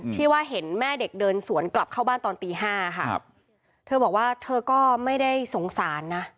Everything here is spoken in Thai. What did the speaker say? ที่ว่าเห็นแม่เด็กเดินสวนกลับเข้าบ้านตอนตีห้าค่ะครับเธอบอกว่าเธอก็ไม่ได้สงสารนะ